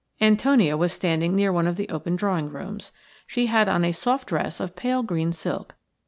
Antonia was standing near one of the open drawing rooms. She had on a soft dress of pale green silk.